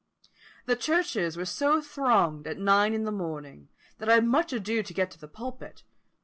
The churches were so thronged at nine in the morning, that I had much ado to get to the pulpit.